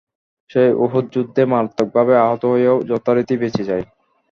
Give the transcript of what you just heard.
সে Uhud যুদ্ধে মারাত্মকভাবে আহত হয়েও যথারীতি বেঁচে যায়।